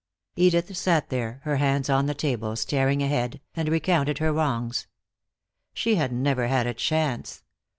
Edith sat there, her hands on the table, staring ahead, and recounted her wrongs. She had never had a chance.